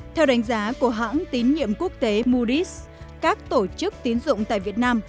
theo đánh giá của hãng tín nhiệm quốc tế moody s các tổ chức tín dụng tại việt nam